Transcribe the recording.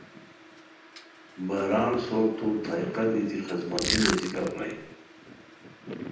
بار ان سورتو تھائقہ دیتی خسمتی نیزیکہ پرانی